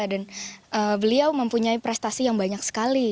dan beliau mempunyai prestasi yang banyak sekali